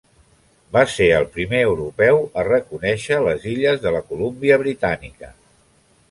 Va ser el primer europeu a reconèixer les illes de la Colúmbia Britànica.